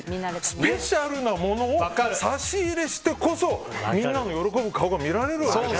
スペシャルなものを差し入れしてこそみんなの喜ぶ顔が見られるわけ。